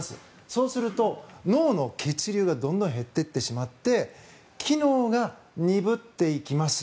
そうすると、脳の血流がどんどん減っていってしまって機能が鈍っていきます。